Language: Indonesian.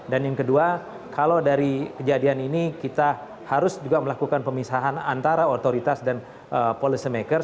dan yang kedua kalau dari kejadian ini kita harus juga melakukan pemisahan antara otoritas dan policy maker